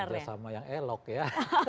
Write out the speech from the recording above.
kerjasama yang elok ya